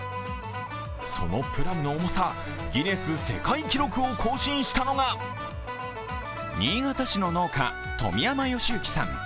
そのプラムの重さギネス世界記録を更新したのが新潟市の農家、富山喜幸さん。